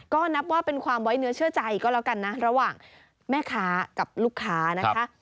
ก็นับว่าเป็นความไว้เนื้อเชื่อใจก็แล้วกันนะระหว่างแม่ค้ากับลูกค้านะคะ